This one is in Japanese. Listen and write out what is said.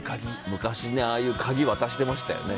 昔ああいう鍵渡してましたよね。